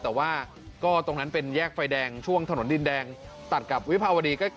แต่ว่าก็ตรงนั้นเป็นแยกไฟแดงช่วงถนนดินแดงตัดกับวิภาวดี